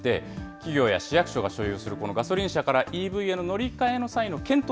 企業や市役所が所有するこのガソリン車からＥＶへの乗り換えの際の検討